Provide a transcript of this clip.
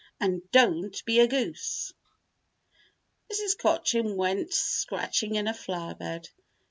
"And don't be a goose." Mrs. Cochin went scratching in a flower bed.